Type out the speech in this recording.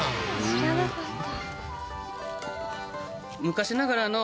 知らなかった。